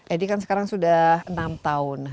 edi kan sekarang sudah enam tahun